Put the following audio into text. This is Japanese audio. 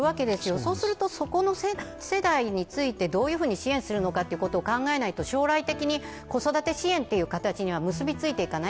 そうするとそこの世代について、どういうふうに支援するかを考えないと、将来的に子育て支援という形には結びついていかない。